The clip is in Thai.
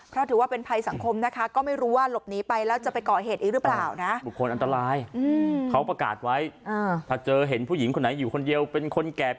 เพราะถือว่าเป็นภัยสังคมนะคะก็ไม่รู้ว่าหลบหนีไปแล้วจะไปก่อเหตุอีกหรือเปล่านะ